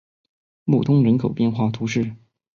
穆通人口变化图示